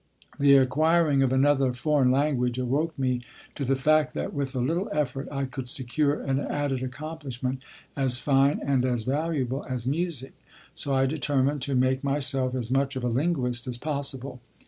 The acquiring of another foreign language awoke me to the fact that with a little effort I could secure an added accomplishment as fine and as valuable as music; so I determined to make myself as much of a linguist as possible.